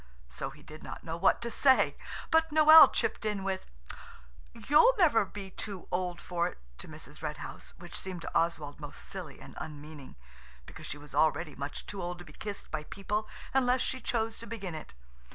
So he did not know what to say. But Noël chipped in with– "You'll never be too old for it," to Mrs. Red House–which seemed to Oswald most silly and unmeaning, because she was already much too old to be kissed by people unless she chose to begin it.